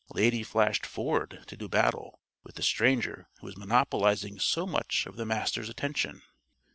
Lady flashed forward to do battle with the stranger who was monopolizing so much of the Master's attention.